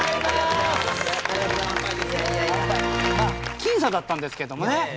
僅差だったんですけどもね。